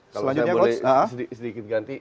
kalau saya boleh sedikit ganti